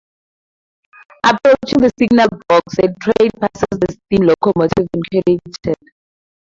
Approaching the signal box, the train passes the steam locomotive and carriage shed.